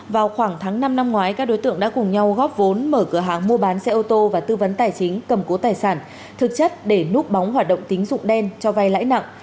vào khoảng tháng năm năm ngoái các đối tượng đã cùng nhau góp vốn mở cửa hàng mua bán xe ô tô và tư vấn tài chính cầm cố tài sản thực chất để núp bóng hoạt động tín dụng đen cho vay lãi nặng